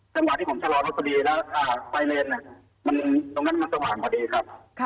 จังหวะที่ผมชะลอรสลีแล้วแฟรนด์มันสะหว่ากว่าดีครับ